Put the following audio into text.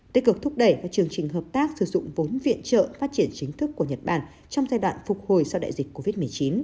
tích cực thúc đẩy các chương trình hợp tác sử dụng vốn viện trợ phát triển chính thức của nhật bản trong giai đoạn phục hồi sau đại dịch covid một mươi chín